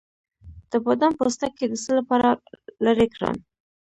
د بادام پوستکی د څه لپاره لرې کړم؟